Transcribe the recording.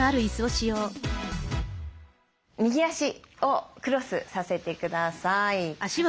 右足をクロスさせてください。